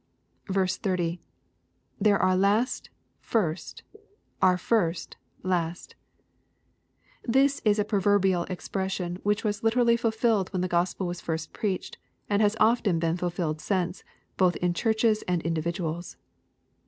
30. — [There are last,.,first..are fir8t...'last^ This is a proverbial ex pression which was hterally fulfilled when the Gospel was first preached, and has often been fulfilled since, both in churches and individuals.